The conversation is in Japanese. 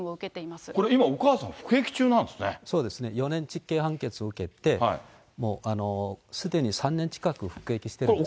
これ今、お母さん服役中なんそうですね、４年実刑判決を受けて、もうすでに３年近く服役してるんですね。